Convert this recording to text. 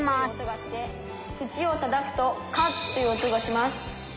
「ふちをたたくと『カッ』という音がします」。